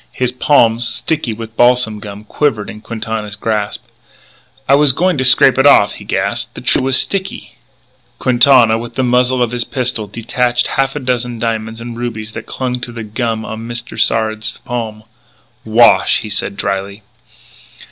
His palm, sticky with balsam gum, quivered in Quintana's grasp. "I was going to scrape it off," he gasped. "The tree was sticky " Quintana, with the muzzle of his pistol, detached half a dozen diamonds and rubies that clung to the gum on Mr. Sard's palm. "Wash!" he said drily.